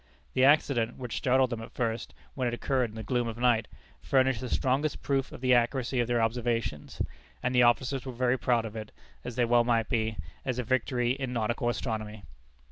The accident, which startled them at first, when it occurred in the gloom of night, furnished the strongest proof of the accuracy of their observations; and the officers were very proud of it, as they well might be, as a victory in nautical astronomy!